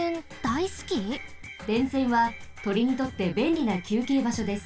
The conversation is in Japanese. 電線はとりにとってべんりなきゅうけいばしょです。